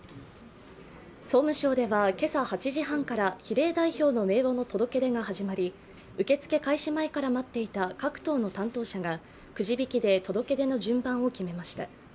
総務省では今朝８時半から比例代表の名簿の届け出が始まり受付開始前から待っていた各党の担当者がくじ引きで届け出の順番を決めました。